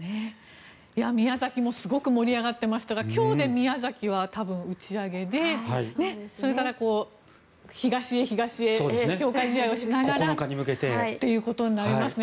宮崎もすごく盛り上がってましたが今日で宮崎は多分打ち上げでそれから東へ東へ強化試合をしながら。ということになりますね。